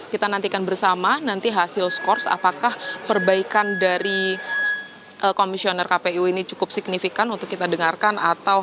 kita nantikan bersama nanti hasil skors apakah perbaikan dari komisioner kpu ini cukup signifikan untuk kita dengarkan